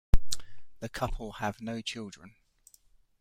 The couple have no children.